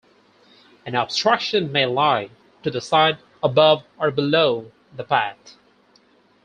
An obstruction may lie to the side, above, or below the path.